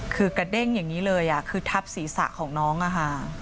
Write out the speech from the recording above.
คือกระเด้งอย่างนี้เลยคือทับศีรษะของน้องอะค่ะ